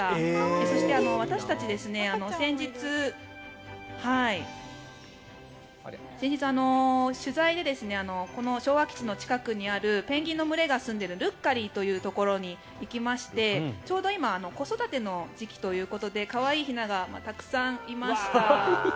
そして、私たち先日取材でこの昭和基地の近くにあるペンギンの群れがすんでるルッカリーというところに行きましてちょうど今子育ての時期ということで可愛いひながたくさんいました。